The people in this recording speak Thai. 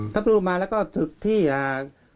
ถือถูงมาก็สึกที่ฐีสะเกียจ